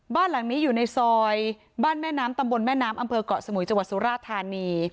บ้านหลังนี้อยู่ในซอยบ้านแม่น้ำตำบลแม่น้ำอำเภอกเกาะสมุยจังหวัดสุราธานี